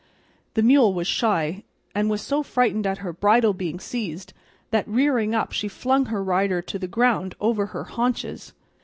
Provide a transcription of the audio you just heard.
The mule was shy, and was so frightened at her bridle being seized that rearing up she flung her rider to the ground over her haunches.